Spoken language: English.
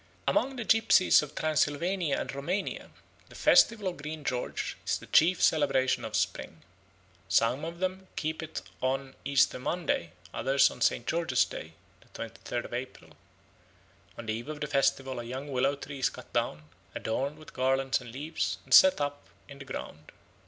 Among the gypsies of Transylvania and Roumania the festival of Green George is the chief celebration of spring. Some of them keep it on Easter Monday, others on St. George's Day (the twentythird of April). On the eve of the festival a young willow tree is cut down, adorned with garlands and leaves, and set up in the ground.